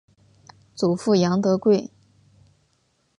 祖父杨德贵。